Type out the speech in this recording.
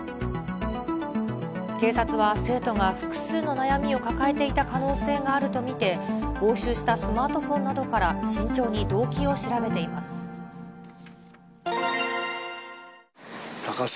警察は生徒が複数の悩みを抱えていた可能性があると見て、押収したスマートフォンなどから慎重に動機を調べています。